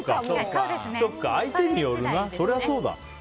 そりゃそうだ。